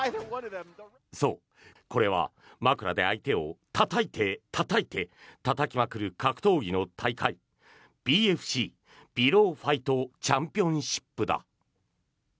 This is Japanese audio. そう、これは枕で相手をたたいて、たたいてたたきまくる格闘技の大会ＰＦＣ＝ピロー・ファイト・チャンピオンシップだ。